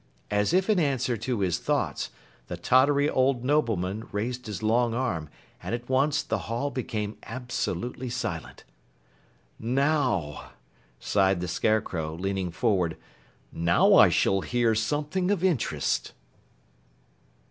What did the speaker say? As if in answer to his thoughts, the tottery old nobleman raised his long arm, and at once the hall became absolutely silent. "Now!" sighed the Scarecrow, leaning forward. "Now I shall hear something of interest."